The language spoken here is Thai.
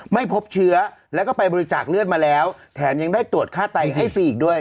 ไม่พบเชื้อแล้วก็ไปบริจาคเลือดมาแล้วแถมยังได้ตรวจค่าไตให้ฟรีอีกด้วย